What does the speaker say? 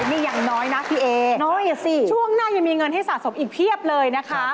นี่อย่างน้อยนะพี่เอช่วงหน้ายังมีเงินให้สะสมอีกเพียบเลยนะคะ